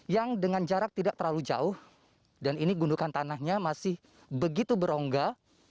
yang dengan jarak tidak terlalu jauh dan ini gundukan tanahnya masih begitu berongga